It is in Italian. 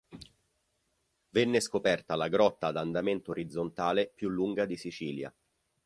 Venne scoperta la grotta ad andamento orizzontale più lunga di Sicilia.